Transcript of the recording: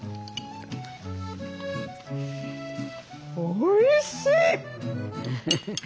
おいしい！